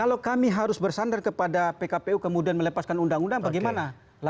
kalau kami harus bersandar kepada pkpu kemudian melepaskan undang undang bagaimana